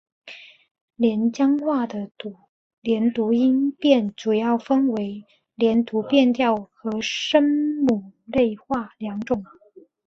连江话的连读音变主要分为连读变调和声母类化两种。